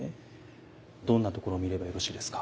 どんなところを見ればよろしいですか。